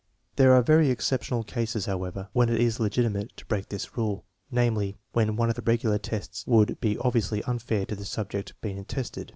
There are very exceptional cases, however, when it is legitimate to break this rule; namely, when one of the regular tests would be obviously unfair to the subject being tested.